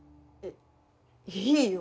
いいよ。